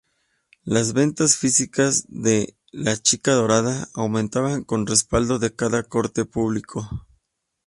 Las ventas físicas de "La Chica Dorada" aumentaban con respaldo de cada corte publicado.